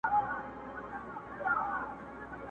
په دنیا کي « اول ځان پسې جهان دی »!.